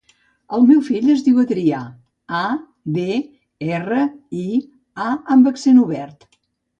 El meu fill es diu Adrià: a, de, erra, i, a amb accent obert.